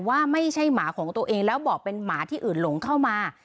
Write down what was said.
ว่าไม่ใช่หมาของตัวเองแล้วบอกเป็นหมาที่อื่นหลงเข้ามา